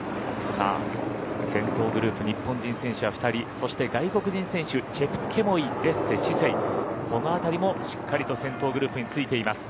先頭グループ日本人選手は２人そして外国人選手チェプケモイ、デッセ、シセイこの辺りもしっかりと先頭グループについています。